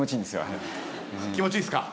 気持ちいいですか？